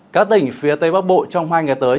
các tỉnh phía tây bắc bộ trong hai ngày tới